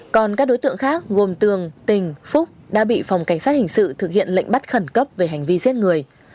còn các đối tượng khác gồm tường tình phúc đã bị phòng cảnh sát hình sự thực hiện lệnh bắt khẩn cấp về hành vi giết người